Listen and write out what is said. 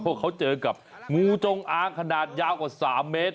เพราะเขาเจอกับงูจงอางขนาดยาวกว่า๓เมตร